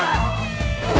pilih desain luar